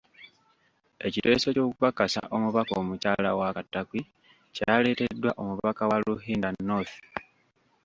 Ekiteeso ky’okukakasa omubaka omukyala wa Katakwi kyaleeteddwa omubaka wa Ruhinda North.